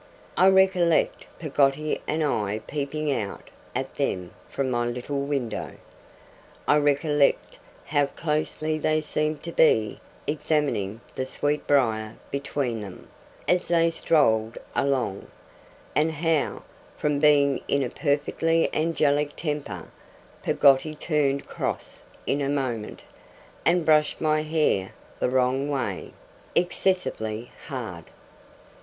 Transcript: I recollect Peggotty and I peeping out at them from my little window; I recollect how closely they seemed to be examining the sweetbriar between them, as they strolled along; and how, from being in a perfectly angelic temper, Peggotty turned cross in a moment, and brushed my hair the wrong way, excessively hard.